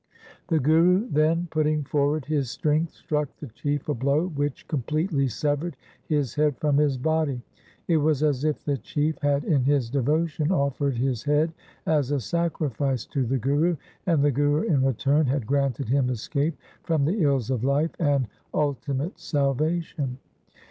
The Guru then putting forward his strength, struck the Chief a blow which completely severed his head from his body. It was as if the Chief had in his devotion offered his head as a sacrifice to the Guru, and the Guru in return had granted him escape from the ills of life and ultimate salvation.